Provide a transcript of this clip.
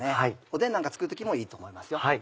おでんなんか作る時もいいと思いますよ。